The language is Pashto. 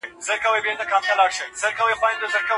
هغه څه چي مینه بلل کیږي یوه اړتیا ده.